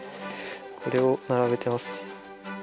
これを並べてますね。